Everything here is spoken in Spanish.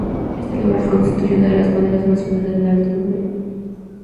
Este laurel constituye una de las maderas más finas en la alta montaña.